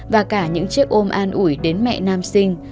và cả những chiếc ôm an ủi đến mẹ nam sinh